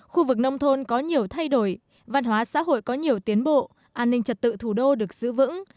khu vực nông thôn có nhiều thay đổi văn hóa xã hội có nhiều tiến bộ an ninh trật tự thủ đô được giữ vững